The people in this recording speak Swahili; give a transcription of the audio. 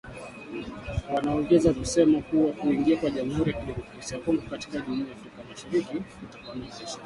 Wameongeza kusema kuwa kuingia kwa Jamhuri ya Kidemokrasia ya Kongo katika Jumuiya ya Afrika Mashariki kutapanua biashara